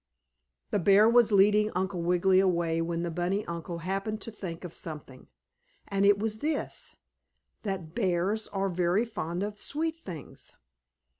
The hear was leading Uncle Wiggily away when the bunny uncle happened to think of something, and it was this that bears are very fond of sweet things.